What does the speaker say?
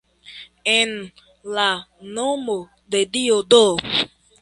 En la nomo de Dio do!